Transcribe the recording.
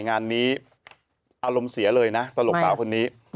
งานนี้อารมณ์เสียเลยนะตลกสาวคนนี้